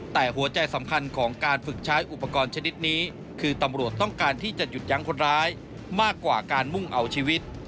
แต่หัวใจสำคัญของการฝึกใช้อุปกรณ์ชนิดนี้คือตำรวจต้องการที่จะหยุดยั้งคนร้ายมากกว่าการมุ่งเอาชีวิต